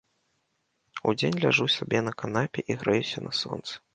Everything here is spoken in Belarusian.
Удзень ляжу сабе на канапе і грэюся на сонцы.